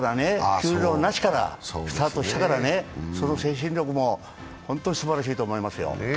給料なしからスタートしているからその精神力も本当にすばらしいと思いますよ。